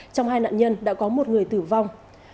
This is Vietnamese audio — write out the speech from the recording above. trong hai nạn nhân đã có một người tử vong